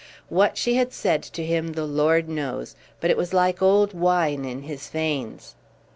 What she had said to him the Lord knows, but it was like old wine in his veins.